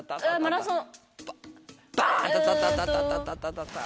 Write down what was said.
マラソン。